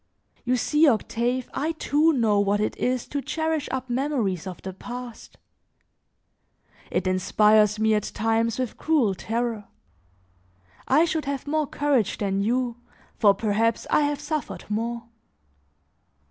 You see, Octave, I too know what it is to cherish up memories of the past. It inspires me at times with cruel terror; I should have more courage than you, for perhaps I have suffered more.